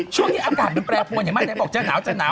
ช่วงที่อากาฆามันแปรวนอย่ามาแต่ให้บอกจะหนาวจะหนาว